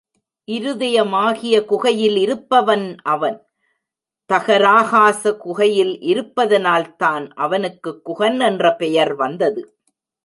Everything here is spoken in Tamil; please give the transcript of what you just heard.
இருதயமாகிய குகையில் இருப்பவன் அவன், தகராகாச குகையில் இருப்பதனால்தான் அவனுக்குக் குகன் என்ற பெயர் வந்தது.